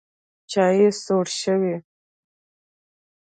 چای سوړ شوی